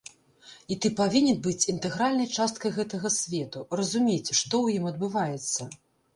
І ты павінен быць інтэгральнай часткай гэтага свету, разумець, што ў ім адбываецца.